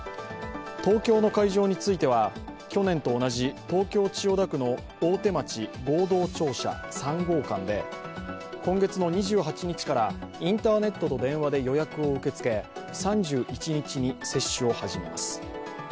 東京の会場については去年と同じ東京・千代田区の大手町合同庁舎３号館で今月２８日からインターネットと電話で予約を受け付け３１日に接種を始めます。